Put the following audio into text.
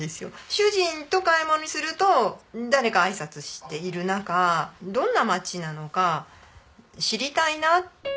主人と買い物をすると誰かあいさつしている中どんな町なのか知りたいな。